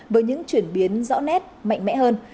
với những chuyển biến rõ nét mạnh mẽ hơn